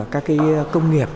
các cái công nghiệp